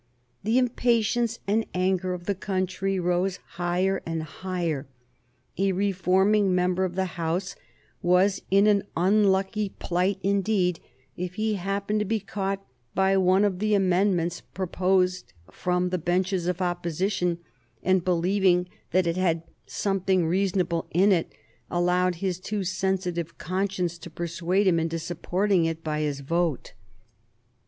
The impatience and anger of the country rose higher and higher. A reforming member of the House was in an unlucky plight indeed if he happened to be caught by one of the amendments proposed from the benches of Opposition and, believing that it had something reasonable in it, allowed his too sensitive conscience to persuade him into supporting it by his vote.